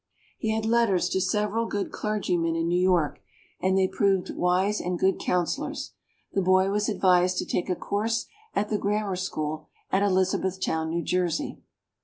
He had letters to several good clergymen in New York, and they proved wise and good counselors. The boy was advised to take a course at the Grammar School at Elizabethtown, New Jersey.